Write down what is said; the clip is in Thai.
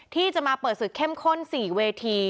ที่จะมาเปิดสิทธิ์เข้มข้น๔เวที